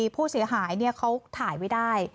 ผู้เสียหายเขาถ่ายไว้ได้